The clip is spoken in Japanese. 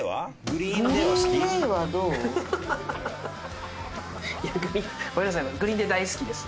グリーン・デイ大好きです。